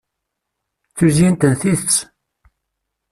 D tuzyint n tidet